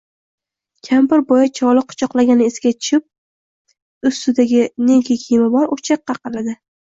Kampir boya choli quchoqlagani esiga tushib, ustidagi neki kiyimi bor, o`choqqa qaladi